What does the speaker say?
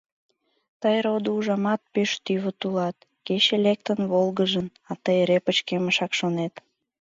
Тый, родо, ужамат, пеш тӱвыт улат: кече лектын волгыжын, а тый эре пычкемышак шонет.